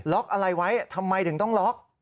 อะไรไว้ทำไมถึงต้องล็อก